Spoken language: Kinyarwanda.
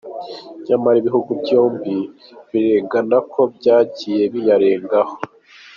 Nyamara ibihugu byombi biregana ko byagiye biyarengaho.